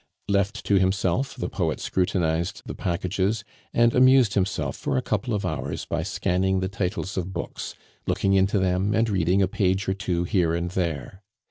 Left to himself, the poet scrutinized the packages, and amused himself for a couple of hours by scanning the titles of books, looking into them, and reading a page or two here and there.